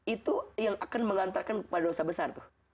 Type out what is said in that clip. itu yang akan mengantarkan pada dosa besar tuh